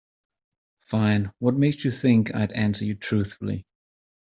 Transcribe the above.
Fine, what makes you think I'd answer you truthfully?